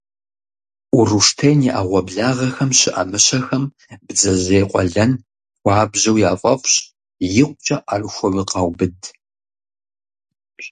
Уруштен и Ӏэгъуэблагъэхэм щыӀэ мыщэхэм бдзэжьей къуэлэн хуабжьу яфӀэфӀщ, икъукӀэ Ӏэрыхуэуи къаубыд.